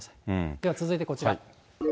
では続いてこちら。